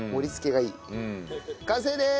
完成です！